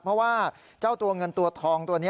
เพราะว่าเจ้าตัวเงินตัวทองตัวนี้